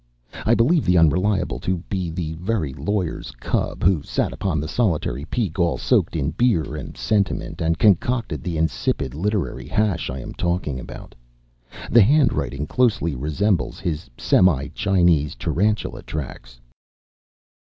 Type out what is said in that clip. I believe the Unreliable to be the very lawyer's cub who sat upon the solitary peak, all soaked in beer and sentiment, and concocted the insipid literary hash I am talking about. The handwriting closely resembles his semi Chinese tarantula tracks.